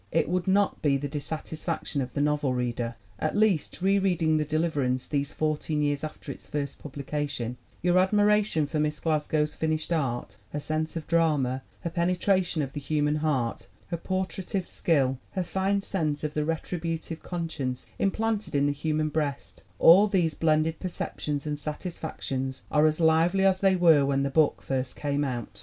It would not be the dissatisfaction of the novel reader. At least, re reading The Deliverance these fourteen years after its first publication, your admiration for Miss Glas gow's finished art, her sense of drama, her penetration of the human heart, her portraitive skill, her fine sense of the retributive conscience implanted in the human breast all these blended perceptions and satisfactions are as lively as they were when the book first came out.